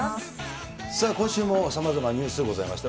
今週もさまざまニュースございました。